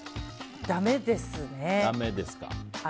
だめですね。